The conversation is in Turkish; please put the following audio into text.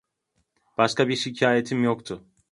Başka bir şikâyetim yoktu.